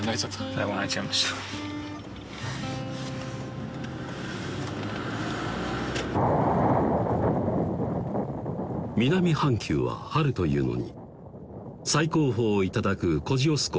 最後泣いちゃいました南半球は春というのに最高峰をいただくコジオスコ